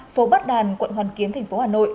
phố bát đàn quận hoàn kiếm tp hcm